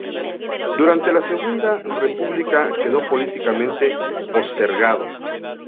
Durante la Segunda República quedó políticamente postergado.